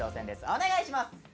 お願いします。